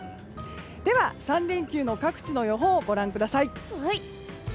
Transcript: では３連休の各地の予報をご覧ください。